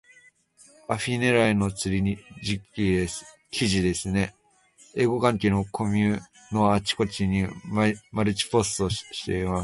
アフィ狙いの釣り記事ですね。英語関係のコミュのあちこちにマルチポストしています。